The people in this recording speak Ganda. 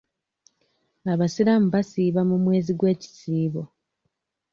Abasiraamu basiiba mu mwezi gw'ekisiibo.